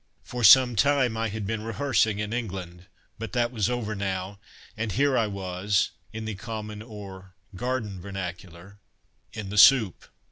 For some time I had been rehearsing in England; but that was over now, and here I was in the common or garden vernacular "in the soup."